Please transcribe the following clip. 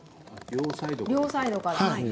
両サイドから。